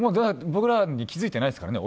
僕らに気づいてないですからね。